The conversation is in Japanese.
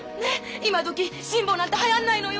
今どき辛抱なんてはやんないのよ。